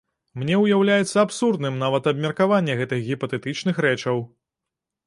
Мне ўяўляецца абсурдным нават абмеркаванне гэтых гіпатэтычных рэчаў.